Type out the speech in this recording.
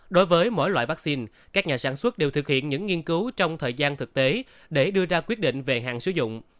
đối với mỗi loại vaccine các nhà sản xuất đều thực hiện những nghiên cứu trong thời gian thực tế để đưa ra quyết định về hàng sử dụng